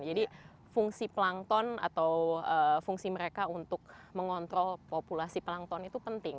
jadi fungsi plankton atau fungsi mereka untuk mengontrol populasi plankton itu penting